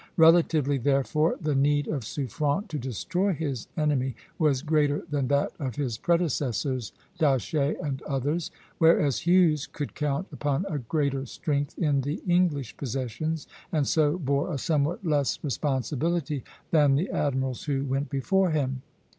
Relatively, therefore, the need of Suffren to destroy his enemy was greater than that of his predecessors, D'Aché and others; whereas Hughes could count upon a greater strength in the English possessions, and so bore a somewhat less responsibility than the admirals who went before him.